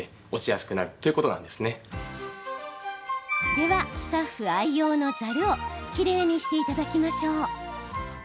では、スタッフ愛用のざるをきれいにしていただきましょう。